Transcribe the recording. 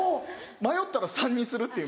迷ったら３にするっていう。